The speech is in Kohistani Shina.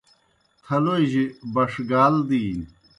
تھلوئی جیْ بݜگال دِینیْ۔